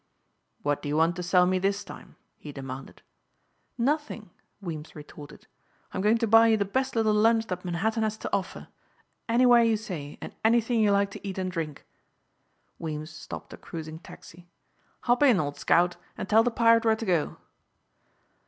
"What do you want to sell me this time?" he demanded. "Nothing," Weems retorted, "I'm going to buy you the best little lunch that Manhattan has to offer. Anywhere you say and anything you like to eat and drink." Weems stopped a cruising taxi. "Hop in, old scout, and tell the pirate where to go."